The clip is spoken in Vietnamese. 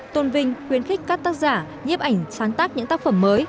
tôn vinh khuyến khích các tác giả nhếp ảnh sáng tác những tác phẩm mới